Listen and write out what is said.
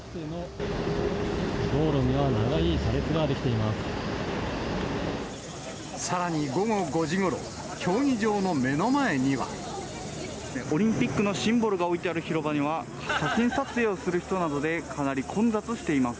道路には長い車列が出来ていさらに午後５時ごろ、オリンピックのシンボルが置いてある広場には、写真撮影をする人などでかなり混雑しています。